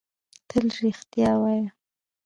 تل رېښتيا وايه